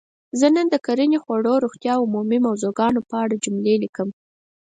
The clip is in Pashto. زه نن د کرنې ؛ خوړو؛ روغتیااو عمومي موضوع ګانو په اړه جملې لیکم.